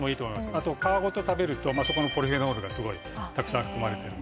あと皮ごと食べるとそこにポリフェノールがすごいたくさん含まれてるので。